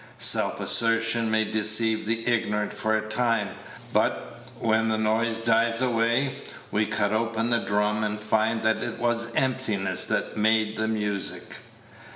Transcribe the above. Self assertion may deceive the ignorant for a time, but, when the noise dies away, we cut open the drum, and find that it was emptiness that made the music.